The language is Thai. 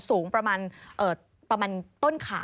สูงประมาณต้นขา